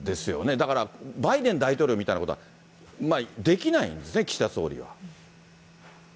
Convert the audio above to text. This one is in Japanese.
だからバイデン大統領みたいなことは、できないんですね、岸田総